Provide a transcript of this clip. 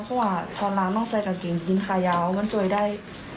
เพราะว่าพอร้านต้องใส่กางเกงยินขายาวมันช่วยได้